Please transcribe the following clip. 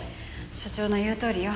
署長の言うとおりよ。